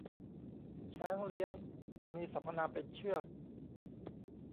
ช้างเลี้ยง มีสรรพนามเป็นเชือก